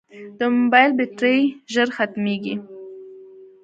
د موبایل بیټرۍ ژر ختمیږي.